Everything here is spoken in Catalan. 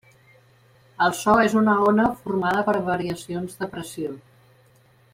El so és una ona formada per variacions de pressió.